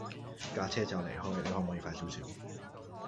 架車就嚟開，你可唔可以快少少